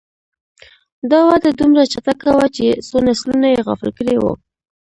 دا وده دومره چټکه وه چې څو نسلونه یې غافل کړي وو.